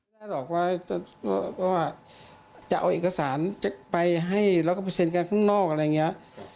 ไม่ได้หลอกว่าจะเอาเอกสารไปให้เราก็ไปเซ็นกันข้างนอกอะไรอย่างนี้